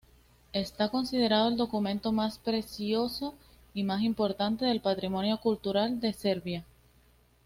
Está considerado el documento más precioso y más importante del patrimonio cultural de Serbia.